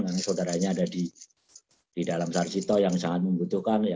karena saudaranya ada di dalam sarjito yang sangat membutuhkan